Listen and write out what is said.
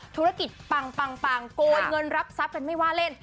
ธุรกิจปังโกยเงินรับทรัพย์กันไม่ว่าเล่น